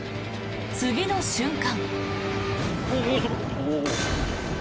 次の瞬間。